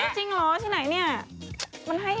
จริงเหรอที่ไหนเนี่ย